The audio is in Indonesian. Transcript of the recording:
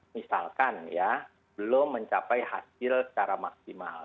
misalkan ya belum mencapai hasil secara maksimal